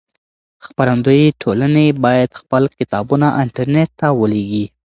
خپرندويې ټولنې بايد خپل کتابونه انټرنټ ته ولېږي.